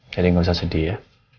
jadi gak usah sedih ya